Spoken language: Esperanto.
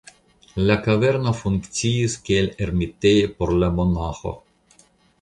La kaverno funkciis kiel ermitejo por la monaĥo.